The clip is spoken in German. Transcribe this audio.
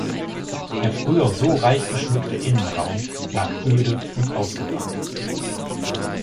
Der früher so reich geschmückte Innenraum lag öde und ausgebrannt“.